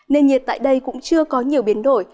nền nhiệt tại đây cũng chưa có nhiều biến đổi